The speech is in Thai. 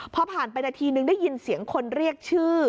พอผ่านไปนาทีนึงได้ยินเสียงคนเรียกชื่อ